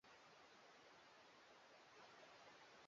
na kuita hiyo ni hatua nyingine ya kufikia mapinduzi ya kweli